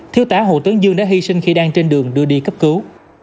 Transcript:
thiếu tá hồ tướng dương đã hy sinh khi đang trên đường đưa đi cấp cứu